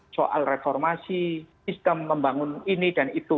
soal reformasi sistem membangun ini dan itu